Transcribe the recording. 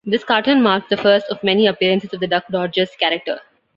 This cartoon marked the first of many appearances of the Duck Dodgers character.